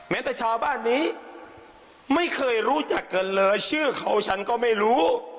แต่ชาวบ้านนี้ไม่เคยรู้จักกันเลยชื่อเขาฉันก็ไม่รู้